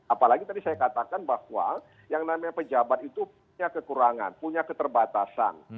apalagi tadi saya katakan bahwa yang namanya pejabat itu punya kekurangan punya keterbatasan